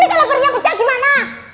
ini kalabernya pecah gimana